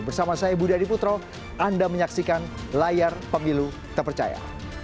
bersama saya budi adiputro anda menyaksikan layar pemilu terpercaya